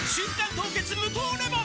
凍結無糖レモン」